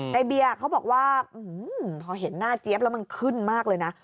ในเบียร์เขาบอกว่าพอเห็นหน้าเจี๊ยบแล้วมันขึ้นมากเลยนะ